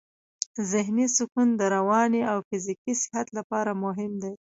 ذهني سکون د رواني او فزیکي صحت لپاره مهم دی.